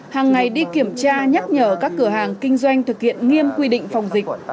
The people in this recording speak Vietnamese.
hàng ngày đi kiểm tra nhắc nhở các cửa hàng kinh doanh thực hiện nghiêm quy định phòng dịch